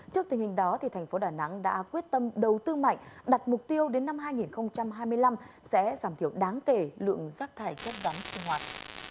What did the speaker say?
trước tình hình đó thành phố đà nẵng đã quyết tâm đầu tư mạnh đặt mục tiêu đến năm hai nghìn hai mươi năm sẽ giảm thiểu đáng kể lượng rác thải chất rắn sinh hoạt